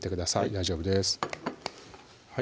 大丈夫です